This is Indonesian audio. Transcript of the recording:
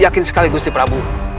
yakin sekali gusti prabu